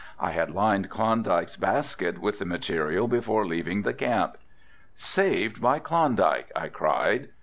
I had lined Klondike's basket with the material before leaving the camp. "Saved by Klondike!" I cried.